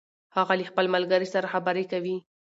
هغه له خپل ملګري سره خبرې کوي